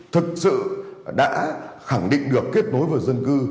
thực sự đã khẳng định được kết nối với dân cư